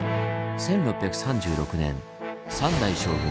１６３６年三代将軍